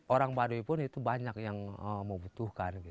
orang baduy pun itu banyak yang membutuhkan